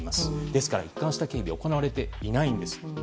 ですから、一貫した警備は行われていないんです。